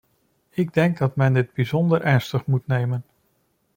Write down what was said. Ik denk dat men dit bijzonder ernstig moet nemen.